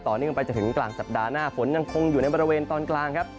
เนื่องไปจนถึงกลางสัปดาห์หน้าฝนยังคงอยู่ในบริเวณตอนกลางครับ